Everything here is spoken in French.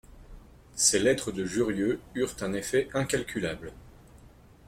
Ces lettres de Jurieu eurent un effet incalculable.